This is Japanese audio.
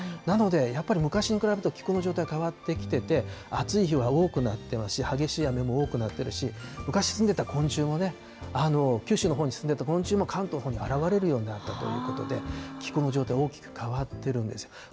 なので、やっぱり昔に比べると気候の状態、変わってきてて、暑い日は多くなっていますし、激しい雨も多くなっているし、昔住んでた昆虫も、九州のほうに住んでた昆虫も、関東のほうに現れるようになったということで、気候の状態、大きく変わってるんですよ。